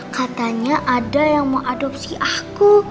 katanya ada yang mau adopsi aku